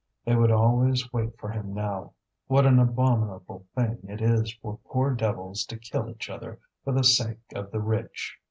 They would always wait for him now. What an abominable thing it is for poor devils to kill each other for the sake of the rich!